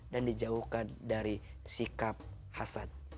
dan dijauhkan dari sikap hasad